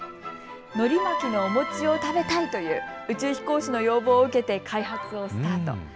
のり巻きのお餅を食べたいという宇宙飛行士の要望を受けて開発をスタート。